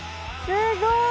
すごい！